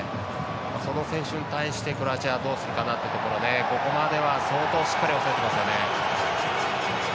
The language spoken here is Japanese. その選手に対してクロアチアはどうするかというところでここまでは、相当しっかり、おさえてますよね。